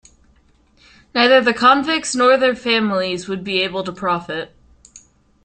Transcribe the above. Neither the convicts nor their families would be able to profit.